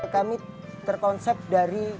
kami terkonsep dari